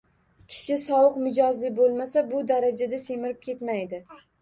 Kishi sovuq mijozli bo‘lmasa, bu darajada semirib ketmaydi.